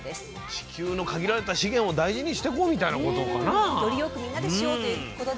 地球の限られた資源を大切にしようということかな。